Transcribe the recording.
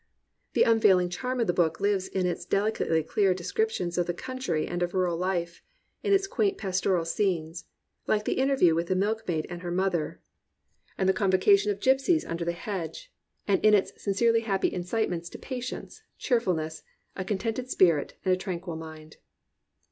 '* The unfailing charm of the book lives in its deli cately clear descriptions of the country and of rural life; in its quaint pastoral scenes, like the interview with the milkmaid and her mother, and the convo S99 COMPANIONABLE BOOKS cation of gipsies under the hedge; and in its sincerely happy incitements to patience, cheerfulness, a con tented spirit, and a tranquil mind.